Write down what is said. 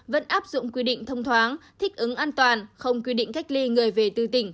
vẫn áp dụng quy định thông thoáng thích ứng an toàn không quy định cách ly người về từ tỉnh